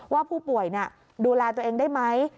ว่าผู้ป่วยดูแลตัวเองได้ไหม